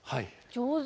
上手！